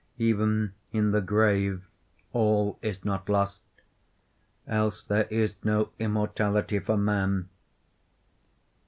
even in the grave all is not lost. Else there is no immortality for man.